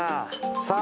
さあ